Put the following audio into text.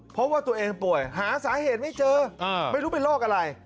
เพราะว่าตัวเองป่วยหาสาเหตุไม่เจอไม่รู้เป็นโรคอะไร